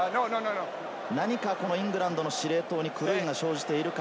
何かイングランドの司令塔に狂いが生じているか。